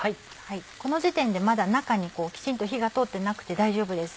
この時点でまだ中にきちんと火が通ってなくて大丈夫です。